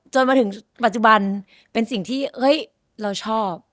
จนถึงปัจจุบันเป็นสิ่งที่เราชอบ